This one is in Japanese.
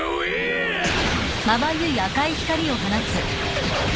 うっ！